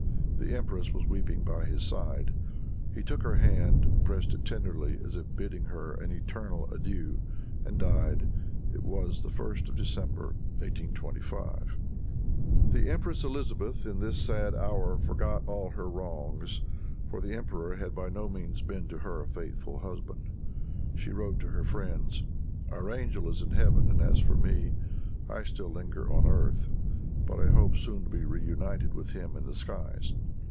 The empress was weeping by his side. He took her hand, pressed it tenderly as if bidding her an eternal adieu, and died. It was the 1st of December, 1825. The empress Elizabeth in this sad hour forgot all her wrongs; for the emperor had by no means been to her a faithful husband. She wrote to her friends, "Our angel is in heaven; and, as for me, I still linger on earth: but I hope soon to be reunited with him in the skies!"